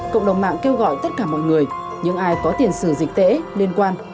cộng đồng mạng kêu gọi tất cả mọi người những ai có tiền sử dịch tễ liên quan